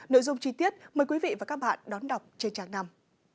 nội dung chi tiết mời quý vị và các bạn đón đọc trên trang năm